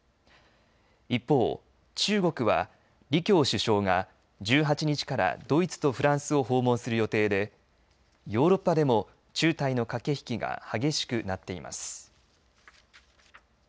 一方、中国は李強首相が１８日からドイツとフランスを訪問する予定でヨーロッパでも中台の駆け引きが激しくなっています。